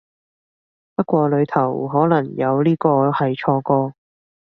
不過裡頭可能有呢個係錯個